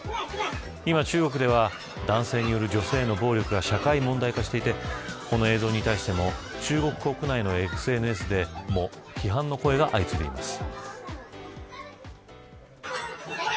今中国では、男性による女性への暴力が社会問題化していてこの映像に対しても中国国内のＳＮＳでも批判の声が相次いでいます。